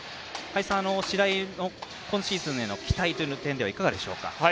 白井の今シーズンへの期待という点ではいかがでしょうか？